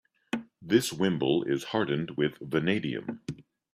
This wimble is hardened with vanadium.